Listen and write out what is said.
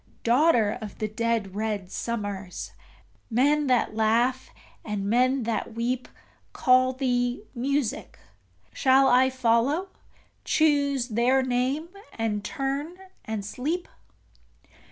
Daughter of the dead red summers! Men that laugh and men that weep Call thee Music shall I follow, choose their name, and turn and sleep?